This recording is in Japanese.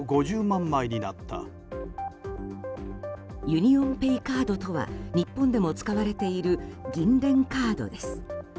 ユニオンペイカードとは日本でも使われている銀聯カードです。